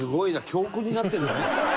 教訓になってるんだね